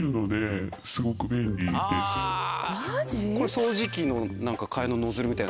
掃除機の替えのノズルみたいな。